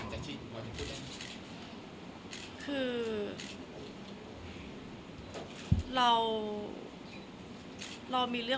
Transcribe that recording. คนเราถ้าใช้ชีวิตมาจนถึงอายุขนาดนี้แล้วค่ะ